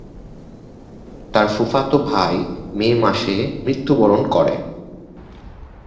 তার ফুফাতো ভাই মে মাসে মৃত্যুবরণ করে।